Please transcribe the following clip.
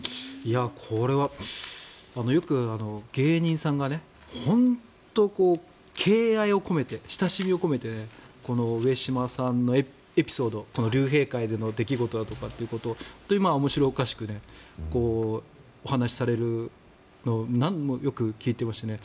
これはよく芸人さんが本当に敬愛を込めて親しみを込めて上島さんのエピソードこの竜兵会での出来事だとかを面白おかしくお話しされるのを何度もよく聞いていましたね。